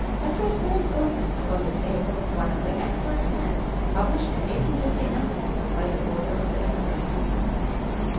Hatteras laid open upon the table one of the excellent maps published in 1859 by the order of the Admiralty.